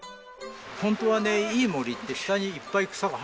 ホントはねいい森って下にいっぱい草が生えてるはず。